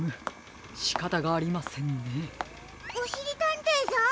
おしりたんていさん？